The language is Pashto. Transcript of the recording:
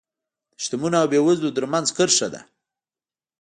د شتمنو او بېوزلو ترمنځ کرښه ده.